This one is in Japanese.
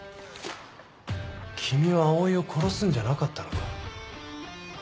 君は葵を殺すんじゃなかったのか？